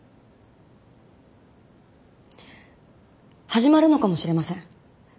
始まるのかもしれません。